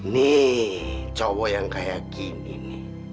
nih cowok yang kayak gini